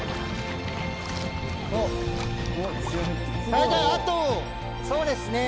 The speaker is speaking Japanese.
だいたいあとそうですね